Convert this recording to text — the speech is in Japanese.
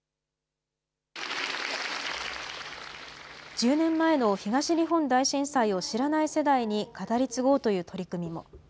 １０年前の東日本大震災を知らない世代に語り継ごうという取り組みも。